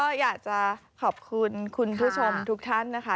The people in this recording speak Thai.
ก็อยากจะขอบคุณคุณผู้ชมทุกท่านนะคะ